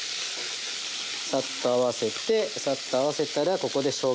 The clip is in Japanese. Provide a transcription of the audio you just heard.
サッと合わせてサッと合わせたらここでしょうがですね。